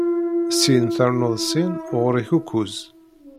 Sin ternuḍ sin, ɣur-k ukkuẓ.